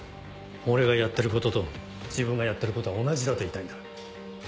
俺がやってることと自分がやってることは同じだと言いたいんだ。